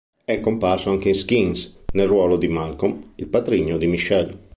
È comparso anche in "Skins" nel ruolo di Malcolm, il patrigno di Michelle.